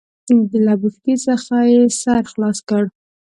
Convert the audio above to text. له بوشکې څخه يې سر خلاص کړ.